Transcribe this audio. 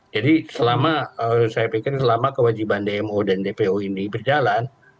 jadi selama saya pikir selama kewajiban dmo dan dpo ini berjalan